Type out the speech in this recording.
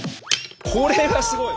これがすごい！